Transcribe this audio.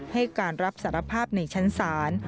ให้การรับสารภาพในชั้นศาล